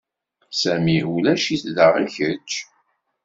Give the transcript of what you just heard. Sami ulac-it da i kečč.